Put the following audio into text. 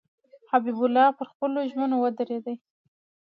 حبیب الله پر خپلو ژمنو ودرېدی.